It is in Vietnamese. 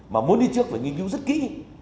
mà muốn đi trước phải nghiên cứu rất kỹ